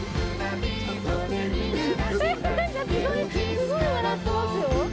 すごい笑ってますよ！